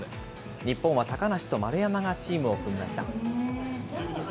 日本は高梨と丸山がチームを組みました。